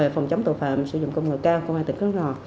phòng chống tội phạm sử dụng công ngừa cao của công an tỉnh khánh hòa